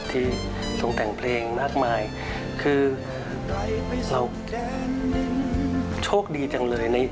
ที่ทรงแต่งเพลงมากมายคือเราโชคดีจังเลย